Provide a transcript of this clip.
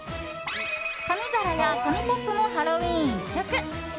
紙皿や紙コップもハロウィーン一色。